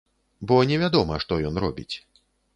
Бо невядома, што ён робіць.